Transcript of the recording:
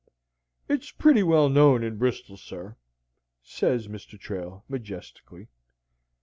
"It's pretty well known in Bristol, sir," says Mr. Trail, majestically.